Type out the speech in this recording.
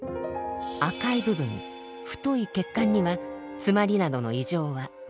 赤い部分太い血管には詰まりなどの異常は全く見られません。